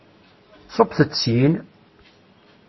Ṣubbet-d syin!